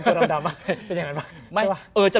เป็นตัวดำดำอ่ะเป็นอย่างนั้นปะ